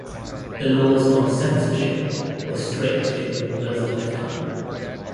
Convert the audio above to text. The laws on censorship were strict during Miller's lifetime.